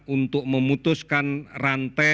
untuk memutuskan rantai penularan penularan yang terjadi